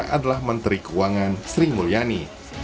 adalah menteri keuangan sri mulyani